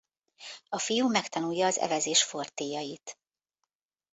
A fiú megtanulja az evezés fortélyait.